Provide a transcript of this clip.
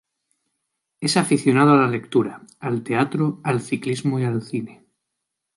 Es aficionado a la lectura, al teatro, al ciclismo y al cine.